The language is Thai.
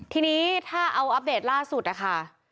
ทีนี้ถ้าเอาอัปเดตล่าสุดนะคะ